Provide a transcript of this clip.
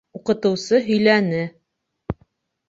Уҡытыусы һөйләне.